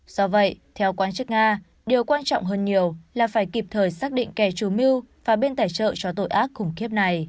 do vậy theo quan chức nga điều quan trọng hơn nhiều là phải kịp thời xác định kẻ chủ mưu và bên tài trợ cho tội ác khủng khiếp này